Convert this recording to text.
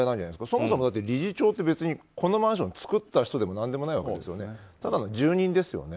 そもそも理事長ってこのマンションを作った人でもなんでもなくてただの住人ですよね。